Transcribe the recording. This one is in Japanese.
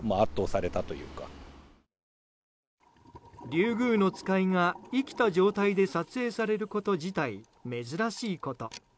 リュウグウノツカイが生きた状態で撮影されること自体珍しいこと。